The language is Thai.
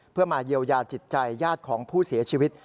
เพื่อมาเยียวยาจิตใจญาติของผู้เสียชีวิต